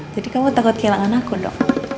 jadi kamu takut kehilangan aku dong